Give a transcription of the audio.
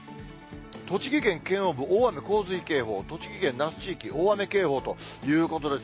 栃木県県央部、大雨洪水警報、栃木県那須地域、大雨警報ということです。